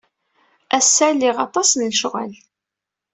Ass-a, liɣ aṭas n lecɣal.